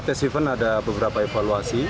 tes event ada beberapa evaluasi